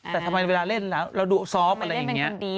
แต่ทำไมเวลาเล่นแล้วเราดูซอฟต์อะไรอย่างนี้